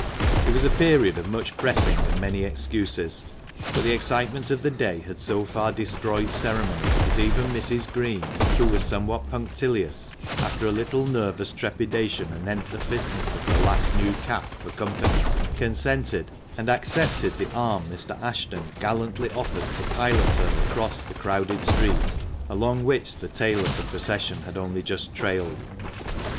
It was a period of much pressing and many excuses, but the excitement of the day had so far destroyed ceremony that even Mrs. Green, who was somewhat punctillious, after a little nervous trepidation anent the fitness of her last new cap for company, consented, and accepted the arm Mr. Ashton gallantly offered to pilot her across the crowded street, along which the tail of the procession had only just trailed.